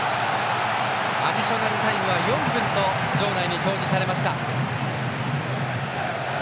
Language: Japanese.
アディショナルタイムは４分と場内に表示されました。